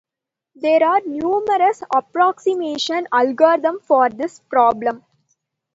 There are numerous approximation algorithms for this problem.